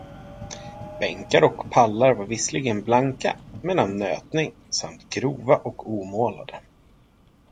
Bänkar och pallar var visserligen blanka, men av nötning, samt grova och omålade.